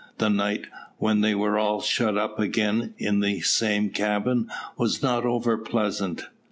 The night, when they were all shut up again in the same cabin, was not over pleasant.